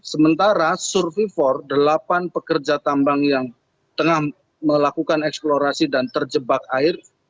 sementara survivo empat delapan pekerja tambang yang tengah melakukan eksplorasi dan terjebak air